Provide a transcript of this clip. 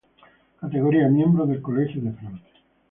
Categoría:Miembros del Colegio de Francia